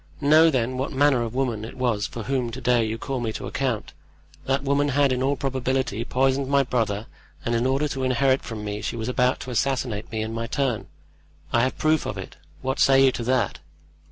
Know, then, what manner of woman it was for whom to day you call me to account. That woman had, in all probability, poisoned my brother, and in order to inherit from me she was about to assassinate me in my turn. I have proof of it. What say you to that?"